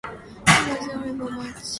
It was a horrible match.